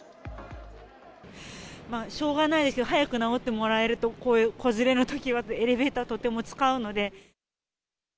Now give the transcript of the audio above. しょうがないけど、早く直ってもらえると、こういう子連れのときはエレベーター、とても使うので。